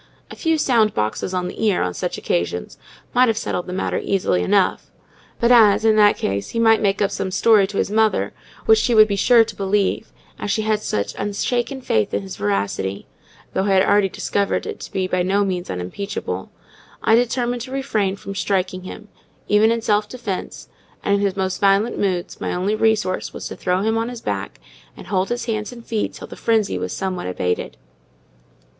A few sound boxes on the ear, on such occasions, might have settled the matter easily enough: but as, in that case, he might make up some story to his mother which she would be sure to believe, as she had such unshaken faith in his veracity—though I had already discovered it to be by no means unimpeachable—I determined to refrain from striking him, even in self defence; and, in his most violent moods, my only resource was to throw him on his back and hold his hands and feet till the frenzy was somewhat abated.